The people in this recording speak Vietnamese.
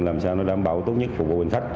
làm sao nó đảm bảo tốt nhất phục vụ hành khách